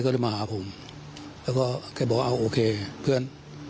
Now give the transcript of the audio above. แกก็ได้มาหาผมแล้วก็แกบอกอ้าวโอเคเพื่อน